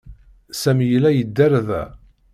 Sami yella yedder da.